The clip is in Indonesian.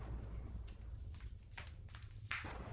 ayo cepat kerjakan